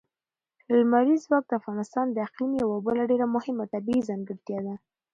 لمریز ځواک د افغانستان د اقلیم یوه بله ډېره مهمه طبیعي ځانګړتیا ده.